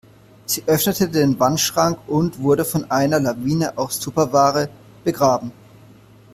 Sie öffnete den Wandschrank und wurde von einer Lawine aus Tupperware begraben.